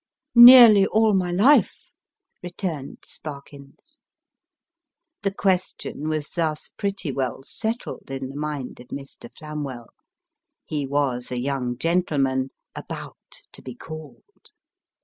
" Nearly all my life," returned Sparkins. The question was thus pretty well settled in the mind of Mr. Flam well. He was a young gentleman " about to bo called."